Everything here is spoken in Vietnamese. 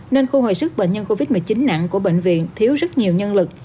nên khu hồi sức bệnh nhân covid một mươi chín nặng của bệnh viện thiếu rất nhiều nhân lực